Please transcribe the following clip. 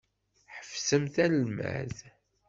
Ḥebsemt almad!